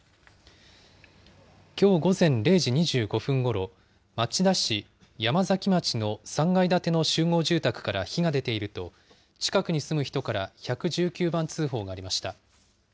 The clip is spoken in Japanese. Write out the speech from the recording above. きょう午前０時２５分ごろ、町田市山崎町の３階建ての集合住宅から火が出ていると、近くに住む人から１１９番通報がありました。